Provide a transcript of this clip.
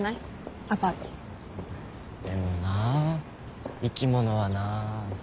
でもな生き物はなぁ。